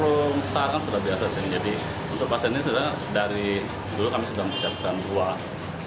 yang saran sudah diatas ini